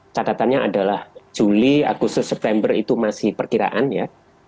catatannya adalah juli agustus september itu masih perkiraan ya